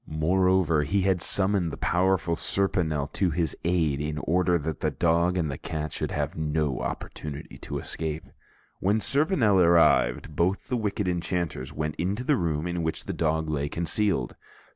Moreover, he had summoned the powerful Serponel to his aid in order that the dog and the cat should have no opportunity to escape. When Serponel arrived, both the wicked enchanters went to the room in which the dog lay concealed.